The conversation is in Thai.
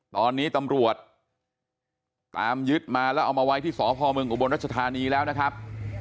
ตอนนี้ตำรวจตามยึดมาแล้วเอามาไว้ที่สพเมืองอุบลรัชธานีแล้วนะครับ